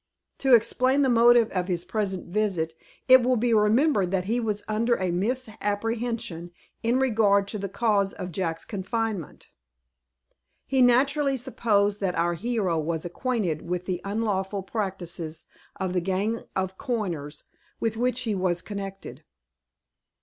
To explain the motive of his present visit, it will be remembered that he was under a misapprehension in regard to the cause of Jack's confinement. He naturally supposed that our hero was acquainted with the unlawful practises of the gang of coiners with which he was connected.